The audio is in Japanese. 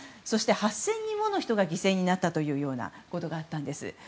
そして、８０００人もの人が犠牲になったという報道があったんです。